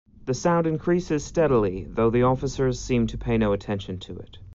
The sound increases steadily, though the officers seem to pay no attention to it.